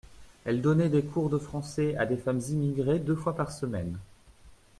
Elle donnait des cours de français à des femmes immigrées deux fois par semaine.